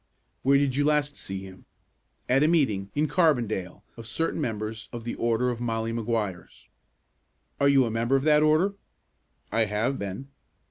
"Where did you last see him?" "At a meeting, in Carbondale, of certain members of the order of Molly Maguires." "Are you a member of that order?" "I have been."